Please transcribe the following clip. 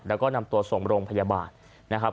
แล้วก็นำตัวส่งโรงพยาบาลนะครับ